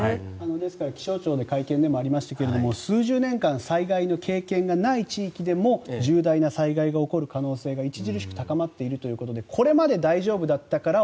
ですから気象庁の会見でもありましたけど数十年間災害の経験がない場所でも重大な災害が起こる可能性が著しく高まっているということでこれまで大丈夫だったからを。